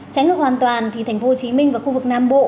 tránh ngược hoàn toàn thì tp hcm và khu vực nam bộ